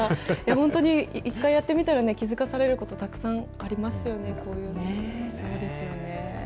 本当に一回やってみたら、気付かされること、たくさんありますよね、こういうの。